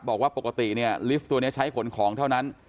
บอกว่าปกติเนี่ยลิฟต์ตัวนี้ใช้ขนของเท่านั้น